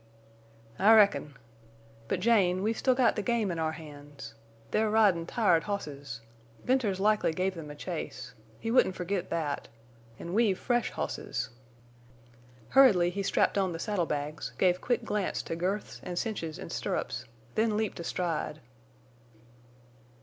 "I reckon. But, Jane, we've still got the game in our hands. They're ridin' tired hosses. Venters likely give them a chase. He wouldn't forget that. An' we've fresh hosses." Hurriedly he strapped on the saddle bags, gave quick glance to girths and cinches and stirrups, then leaped astride.